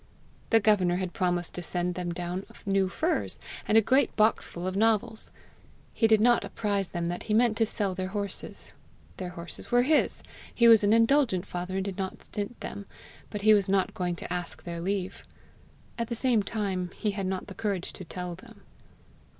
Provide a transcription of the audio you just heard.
The governor had promised to send them down new furs, and a great boxful of novels! He did not apprise them that he meant to sell their horses. Their horses were his! He was an indulgent father and did not stint them, but he was not going to ask their leave! At the same time he had not the courage to tell them.